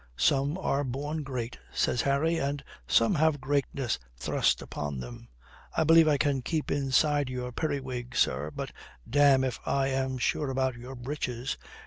"Some are born great," says Harry, "and some have greatness thrust upon 'em. I believe I can keep inside your periwig, sir, but damme if I am sure about your breeches.